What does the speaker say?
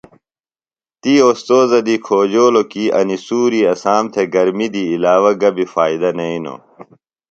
تی اوستوذہ دی کھوجولوۡ کی انیۡ سۡوری اسام تھےۡ گرمیۡ دی علاوہ گہ بیۡ فائدہ نئینوۡ۔